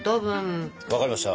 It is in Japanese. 分かりました！